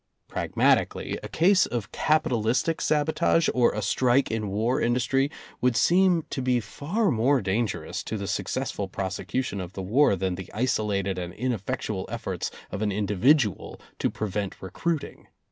Prag matically, a case of capitalistic sabotage, or a strike in war industry would seem to be far more dangerous to the successful prosecution of the war than the isolated and ineffectual efforts of an in dividual to prevent recruiting.